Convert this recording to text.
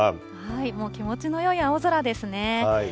もう気持ちのよい青空ですね。